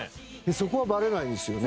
そこはバレないんですよね。